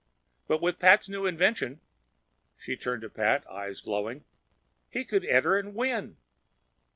But with Pat's new invention—" She turned to Pat, eyes glowing—"he could enter and win!"